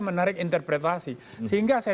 menarik interpretasi sehingga saya